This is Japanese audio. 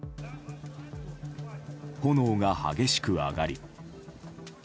炎が激しく上がり。